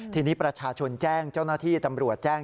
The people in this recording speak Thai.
ทีนี้ประชาชนแจ้งเจ้าหน้าที่ตำรวจแจ้ง